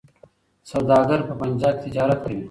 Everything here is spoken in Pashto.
سوداګر په پنجاب کي تجارت کوي.